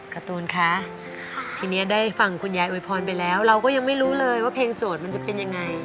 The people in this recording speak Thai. การ์ตูนคะทีนี้ได้ฟังคุณยายอวยพรไปแล้วเราก็ยังไม่รู้เลยว่าเพลงโจทย์มันจะเป็นยังไง